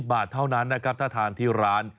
บาทเท่านั้นนะครับถ้าทานที่ร้าน